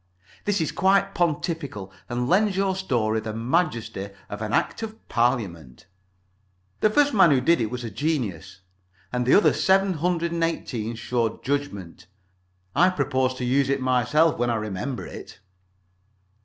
This is quite pontifical, and lends your story the majesty of an Act of Parliament. The first man who did it was a genius. And the other seven hundred and eighteen showed judgment. I propose to use it myself when I remember it.